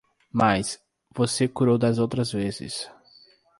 Mas, você curou das outras vezes.